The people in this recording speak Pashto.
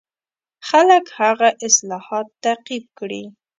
خلک هغه اصلاحات تعقیب کړي.